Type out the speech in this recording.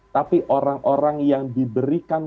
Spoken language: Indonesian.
tapi orang orang yang diberikan